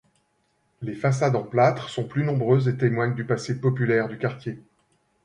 Les façades en plâtre sont plus nombreuses et témoignent du passé populaire du quartier.